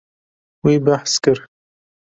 Wî behs kir.